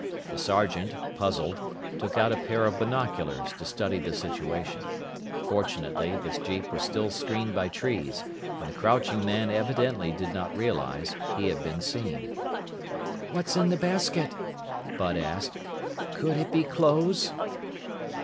The sergeant, puzzled, took out a pair of binoculars to study the situation. Fortunately, the jeep was still screened by trees, and the crouching man evidently did not realize he had been seen. "What's in the basket?" Bud asked. "Could it be clothes?"